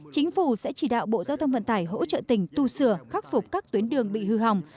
chính phủ sẽ chỉ đạo bộ giao thông vận tải hỗ trợ tỉnh tu sửa khắc phục các tuyến đường bị hư hỏng